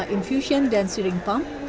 satu ratus lima infusion dan syring pump